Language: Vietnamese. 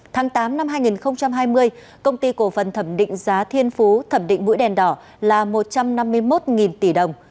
tháng tám năm hai nghìn hai mươi công ty cổ phần thẩm định giá thiên phú thẩm định mũi đèn đỏ là một trăm năm mươi một tỷ đồng